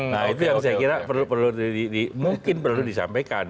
nah itu yang saya kira perlu disampaikan